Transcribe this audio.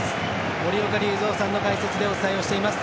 森岡隆三さんの解説でお伝えをしています。